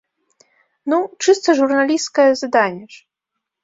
Ну, чыста журналісцкае заданне ж!